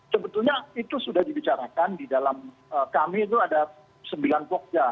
sebetulnya itu sudah dibicarakan di dalam kami itu ada sembilan pokja